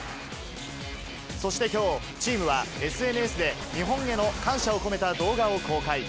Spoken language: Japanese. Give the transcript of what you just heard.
そしてきょう、チームはＳＮＳで、日本への感謝を込めた動画を公開。